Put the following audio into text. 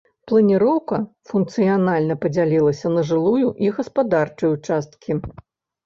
Планіроўка функцыянальна падзялялася па жылую і гаспадарчую часткі.